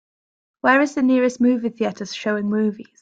where is the nearest movie theatre showing movies